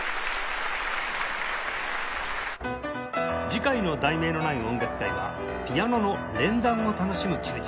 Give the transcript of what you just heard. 次回の『題名のない音楽会』は「ピアノの連弾を楽しむ休日」